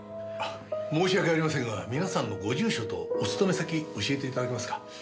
申し訳ありませんが皆さんのご住所とお勤め先教えて頂けますか？